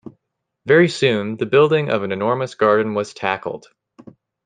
Very soon, the building of an enormous garden was tackled.